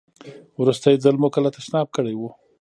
وروستی ځل مو کله تشناب کړی و؟